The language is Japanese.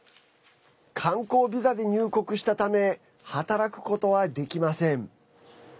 観光ビザで入国したため働くことはできません。